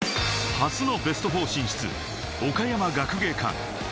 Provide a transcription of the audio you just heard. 初のベスト４進出、岡山学芸館。